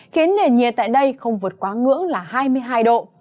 khiến nền nhiệt tại đây không vượt quá ngưỡng là hai mươi hai độ